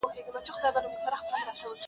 همېشه په ښو نمرو کامیابېدله,